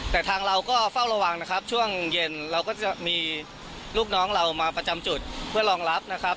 แต่ทางเราก็เฝ้าระวังนะครับช่วงเย็นเราก็จะมีลูกน้องเรามาประจำจุดเพื่อรองรับนะครับ